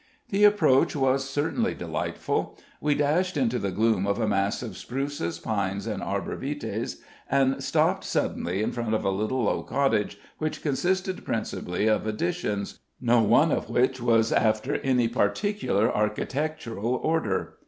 The approach was certainly delightful. We dashed into the gloom of a mass of spruces, pines, and arbor vitæs, and stopped suddenly in front of a little, low cottage, which consisted principally of additions, no one of which was after any particular architectural order.